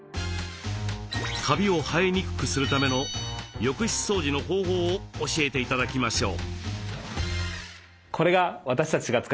カビを生えにくくするための浴室掃除の方法を教えて頂きましょう。